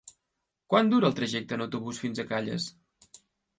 Quant dura el trajecte en autobús fins a Calles?